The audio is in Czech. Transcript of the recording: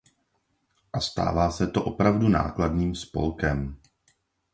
A stává se to opravdu nákladným spolkem.